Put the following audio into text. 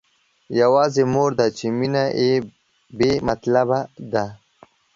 يوازې مور ده چې مينه يې بې مطلبه ده.